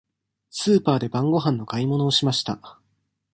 スーパーで晩ごはんの買い物をしました。